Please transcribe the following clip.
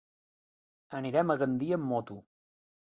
Anirem a Gandia amb moto.